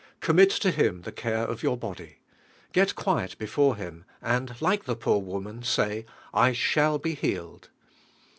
Commit to Him the care of your body. Get quiet before Him and like the poor woman say, "I shall be healed."